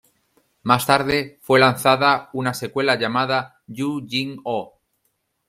Más tarde, fue lanzada una secuela llamada Yu-Gi-Oh!